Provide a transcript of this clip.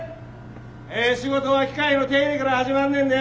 ええ仕事は機械の手入れから始まんねんで！